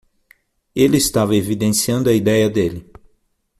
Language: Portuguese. Ele estava evidenciando a idéia dele.